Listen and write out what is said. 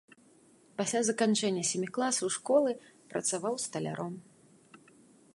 Пасля заканчэння сямі класаў школы працаваў сталяром.